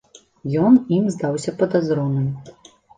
Ён ім здаўся падазроным.